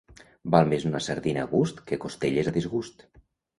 Val més una sardina a gust que costelles a disgust.